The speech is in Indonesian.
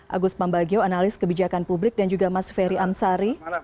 agus pambagio analis kebijakan publik dan juga mas ferry amsari